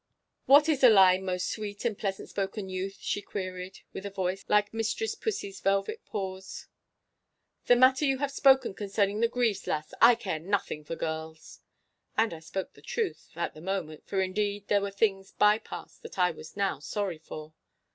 'What is a lie, most sweet and pleasant spoken youth?' she queried, with a voice like Mistress Pussie's velvet paws. 'The matter you have spoken concerning the Grieve's lass. I care nothing for girls!' And I spoke the truth—at the moment—for, indeed, there were things bypast that I was now sorry for.